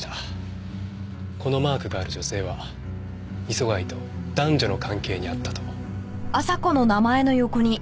このマークがある女性は磯貝と男女の関係にあったと。